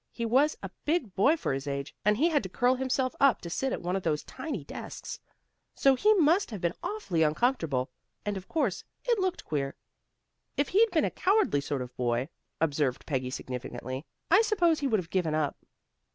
He was a big boy for his age, and he had to curl himself up to sit at one of those tiny desks, so he must have been awfully uncomfortable. And, of course, it looked queer. If he'd been a cowardly sort of boy," observed Peggy significantly, "I suppose he would have given up."